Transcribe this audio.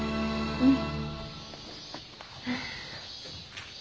うん。